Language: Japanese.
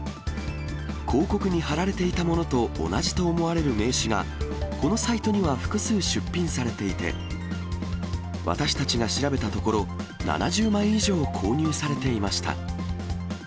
広告に貼られていたものと同じと思われる名刺が、このサイトには複数、出品されていて、私たちが調べたところ、７０枚以上購入されていました。